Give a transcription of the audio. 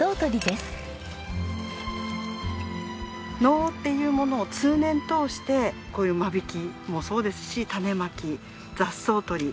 農っていうものを通年通してこういう間引きもそうですし種まき雑草取り。